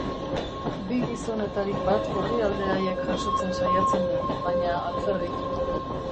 Bi gizonetarik bat orrialde haiek jasotzen saiatzen da, baina alferrik.